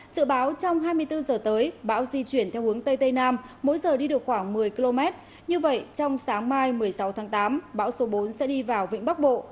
sự báo trong hai mươi bốn giờ tới bão di chuyển theo hướng tây tây nam mỗi giờ đi được khoảng một mươi km như vậy trong sáng mai một mươi sáu tháng tám bão số bốn sẽ đi vào vĩnh bắc bộ